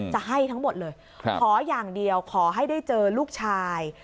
จะให้ทั้งหมดเลยขออย่างเดียวขอให้ได้เจอลูกชาย